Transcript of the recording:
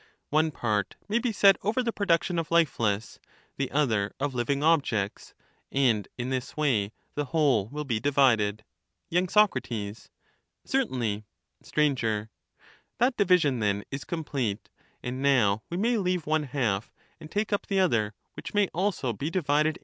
One part may be set over the production of lifeless, the other of living objects; and in this way the whole will be divided. y. Sac. Certainly. Str. That division, then, is complete; and now we may leave one half, and take up the other; which may also be divided into two.